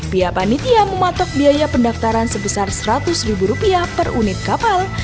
pihak panitia mematok biaya pendaftaran sebesar seratus ribu rupiah per unit kapal